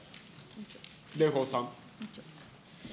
蓮舫さん。